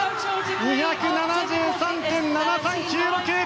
２７３．７３９６！